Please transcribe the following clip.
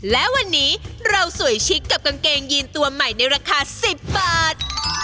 และวันนี้เราสวยชิคกับกางเกงยีนตัวใหม่ในราคา๑๐บาท